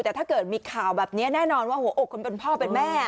แต่ถ้าเกิดมีข่าวแบบนี้แน่นอนว่าหัวอกคนเป็นพ่อเป็นแม่